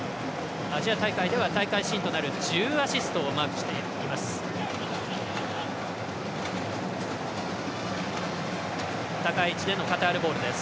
アジア大会では大会新となる１０アシストをマークしています。